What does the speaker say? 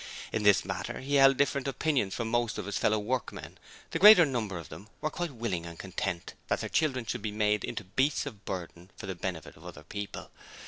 In this matter he held different opinions from most of his fellow workmen. The greater number of them were quite willing and content that their children should be made into beasts of burden for the benefit of other people.